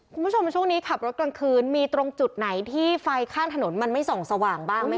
คุณผู้ชมช่วงนี้ขับรถกลางคืนมีตรงจุดไหนที่ไฟข้างถนนมันไม่ส่องสว่างบ้างไหมค